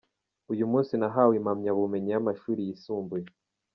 Uyu munsi nahawe impamyabumenyi y’amashuri yisumbuye.